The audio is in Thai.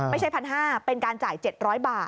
ไม่ใช่๑๕๐๐บาทเป็นการจ่าย๗๐๐บาท